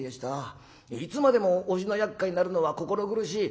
いつまでもおじの厄介になるのは心苦しい。